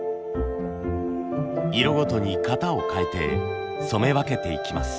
色ごとに型を変えて染め分けていきます。